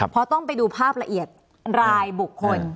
เพราะต้องไปดูภาพละเอียดรายบุคคล